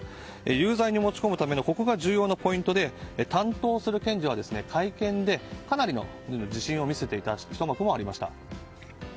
有罪に持ち込むためのここが重要なポイントで担当する検事は会見でかなりの自信を見せていたひと幕もありました。